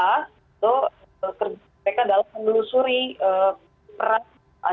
itu kerja kpk dalam penelusuri peran